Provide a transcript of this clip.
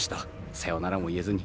さよならも言えずに。